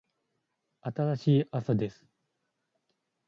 新しい朝です。